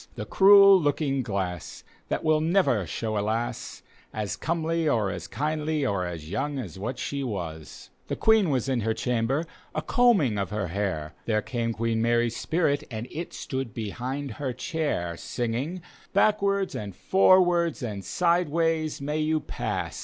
The cruel looking glass that will never show a lass As comely or as kindly or as young as what she wasi The Queen was in her chamber, a combtng of her hair. There came Queen Mary's spirit and It stood behind her chair, Singing, " Backward^ and forwards and sideways may you pass.